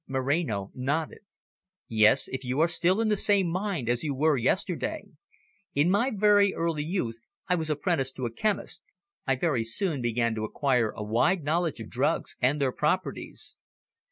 Moreno nodded. "Yes, if you are still in the same mind as you were yesterday. In my very early youth I was apprenticed to a chemist. I very soon began to acquire a wide knowledge of drugs, and their properties."